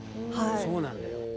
そうなんだよ。